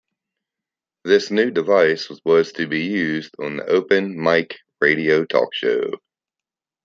This new device was to be used on the "Open Mic" radio talk show.